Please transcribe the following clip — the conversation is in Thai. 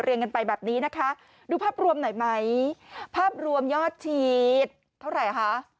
กันไปแบบนี้นะคะดูภาพรวมหน่อยไหมภาพรวมยอดฉีดเท่าไหร่คะ